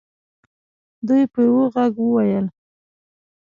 دوی په یوه ږغ وویل.